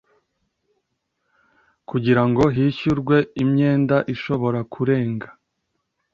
kugira ngo hishyurwe imyenda ishobora kurenga